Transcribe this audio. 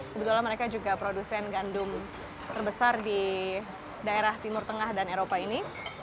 kebetulan mereka juga produsen gandum terbesar di daerah timur tengah dan eropa ini